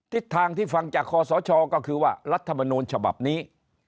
ทิศทางที่ฟังจากคอสชก็คือว่ารัฐมนูลฉบับนี้